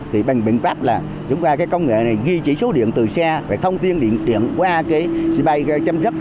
thì bằng bình pháp là chúng ta cái công nghệ này ghi chỉ số điện từ xa và thông tin điện qua cái xe bay chăm sóc